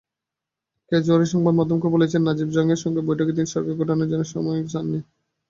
কেজরিওয়াল সংবাদমাধ্যমকে বলেছেন, নাজিব জংয়ের সঙ্গে বৈঠকে তিনি সরকার গঠনের জন্য সময় চাননি।